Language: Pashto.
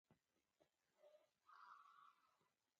هر انسان په بېل ډول د طبيعي قوانينو تر سيوري لاندي ژوند کاوه